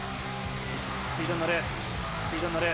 スピードに乗る。